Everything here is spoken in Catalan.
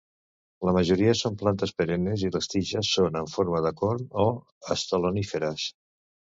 La majoria són plantes perennes i les tiges són en forma de corm o estoloníferes.